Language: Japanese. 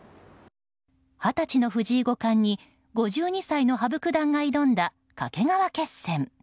二十歳の藤井五冠に５２歳の羽生九段が挑んだ掛川決戦。